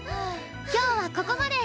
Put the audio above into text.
今日はここまで！